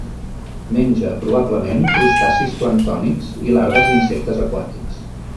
Menja, probablement, crustacis planctònics i larves d'insectes aquàtics.